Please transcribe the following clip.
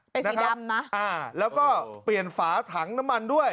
เป็นสีดำนะอ่าแล้วก็เปลี่ยนฝาถังน้ำมันด้วย